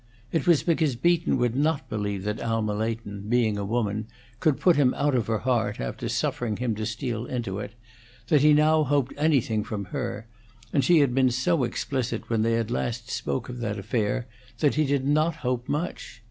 It was because Beaton would not believe that Alma Leighton, being a woman, could put him out of her heart after suffering him to steal into it, that he now hoped anything from her, and she had been so explicit when they last spoke of that affair that he did not hope much.